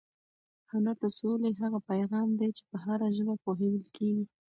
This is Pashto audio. هنر د سولې هغه پیغام دی چې په هره ژبه پوهېدل کېږي.